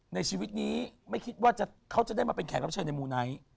ในชีวิตนี้ไม่คิดว่าเขาจะได้มาเป็นแขกรับเชิญในมูไนท์